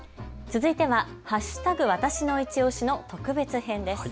続いては＃わたしのいちオシの特別編です。